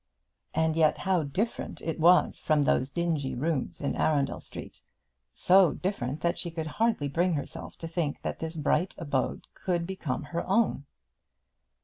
And yet how different it was from those dingy rooms in Arundel Street! So different that she could hardly bring herself to think that this bright abode could become her own.